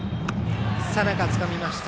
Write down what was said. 佐仲つかみました。